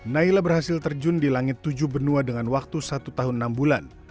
naila berhasil terjun di langit tujuh benua dengan waktu satu tahun enam bulan